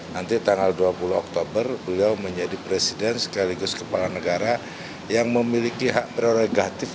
nanti tanggal dua puluh oktober beliau menjadi presiden sekaligus kepala negara yang memiliki hak prerogatif